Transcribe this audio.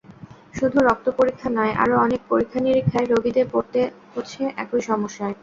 শুধু রক্ত পরীক্ষা নয়, আরও অনেক পরীক্ষা-নিরীক্ষায় রোগীদের পড়তে হচ্ছে একই সমস্যায়।